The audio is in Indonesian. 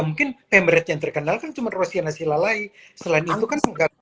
mungkin pemberet yang terkenal cuma rosiana silalai selain itu kan nggak